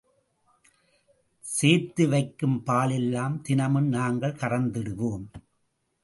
சேர்த்து வைக்கும் பாலெல்லாம் தினமும் நாங்கள் கறந்திடுவோம்.